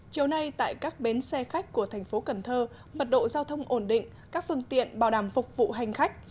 chiều nay tại các bến xe khách của thành phố cần thơ mật độ giao thông ổn định các phương tiện bảo đảm phục vụ hành khách